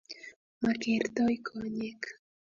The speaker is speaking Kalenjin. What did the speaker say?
makertoi konyek